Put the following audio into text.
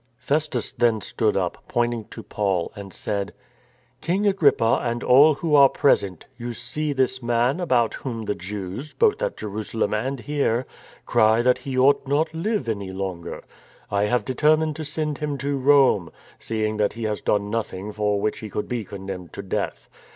Festus then stood up, pointing to Paul, and said: THE KING AND THE MAN 313 " King Agrippa and all who are present, you see this man about whom the Jews, both at Jerusalem and here, cry that he ought not live any longer. I have determined to send him to Rome, seeing that he has done nothing for which he could be condemned to death.